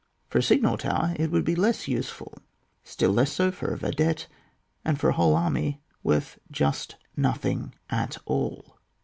For a signal tower it would be less useful, still less so for a vidette, and for a whole army worth just nothing at all.